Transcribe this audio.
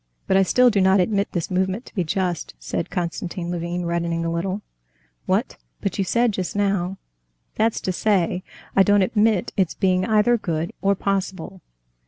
"But I still do not admit this movement to be just," said Konstantin Levin, reddening a little. "What! But you said just now...." "That's to say, I don't admit it's being either good or possible."